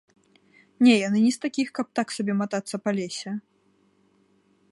Не, яны не з такіх, каб так сабе матацца па лесе.